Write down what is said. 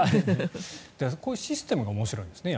こういうシステムが面白いんですね